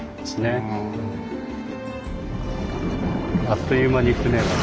あっという間に船が。